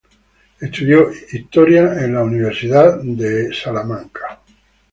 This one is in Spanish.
Estudió historia en la Universidad de Cambridge.